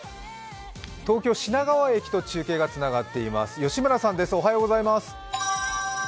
東京・品川駅と中継がつながっています、吉村さんです。